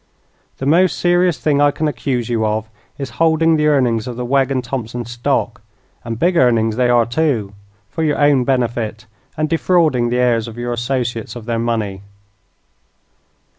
The most serious thing I can accuse you of is holding the earnings of the Wegg and Thompson stock and big earnings they are, too for your own benefit, and defrauding the heirs of your associates of their money."